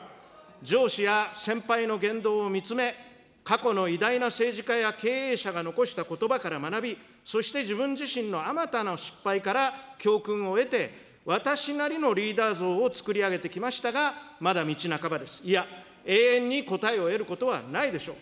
上司や先輩の言動を見つめ、過去の偉大な政治家や経営者が残したことばから学び、そして自分自身のあまたの失敗から教訓を得て、私なりのリーダー像を作り上げてきましたが、まだ道半ばです、いや、永遠に答えを得ることはないでしょう。